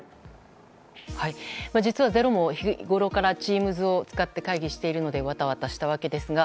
実は「ｚｅｒｏ」も日ごろからＴｅａｍｓを使って会議しているのでワタワタしたわけですが